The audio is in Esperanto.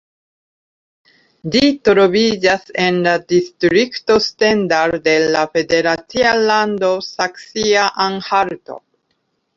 Ĝi troviĝas en la distrikto Stendal de la federacia lando Saksio-Anhalto.